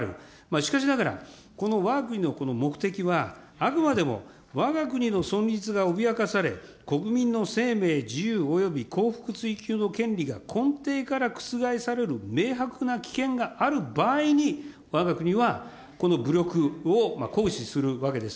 しかしながら、このわが国のこの目的は、あくまでもわが国の存立が脅かされ、国民の生命、自由および幸福追求の権利が根底から覆される明白な危険がある場合に、わが国はこの武力を行使するわけです。